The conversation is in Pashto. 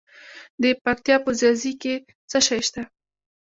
د پکتیا په ځاځي کې څه شی شته؟